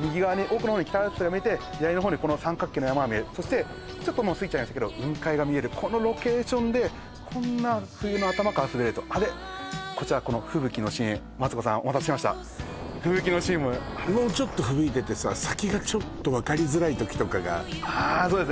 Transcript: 右側に奥の方に北アルプスが見えて左の方にこの三角形の山が見えるそしてちょっと過ぎちゃいましたけど雲海が見えるこのロケーションでこんな冬の頭から滑るとでこちらこの吹雪のシーンマツコさんお待たせしました吹雪のシーンももうちょっと吹雪いててさ先がちょっと分かりづらい時とかがいいよね